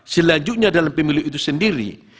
selanjutnya dalam pemilu itu sendiri